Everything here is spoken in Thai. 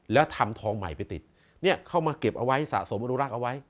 แล้วทำทองใหม่ไปติดเนี่ยเข้ามาเก็บเอาไว้สะสมอนุรักษ์เอาไว้